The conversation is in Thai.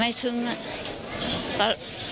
ไม่ถึงน่ะ